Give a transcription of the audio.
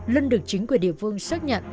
lân được chính quyền địa phương xác nhận